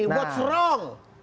apa yang salah